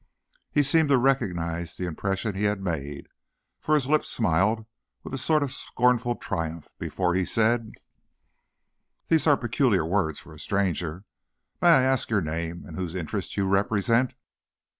He seemed to recognize the impression he had made, for his lips smiled with a sort of scornful triumph before he said: "These are peculiar words for a stranger. May I ask your name and whose interests you represent?"